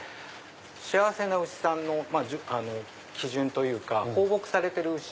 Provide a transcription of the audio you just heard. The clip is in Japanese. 幸せな牛さんの基準というか放牧されてる牛。